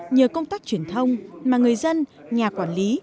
nhờ công tác truyền thông mà người dân nhà quản lý